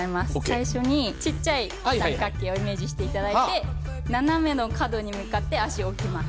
最初に小っちゃい三角形をイメージしていただいて斜めの角に向かって足を置きます。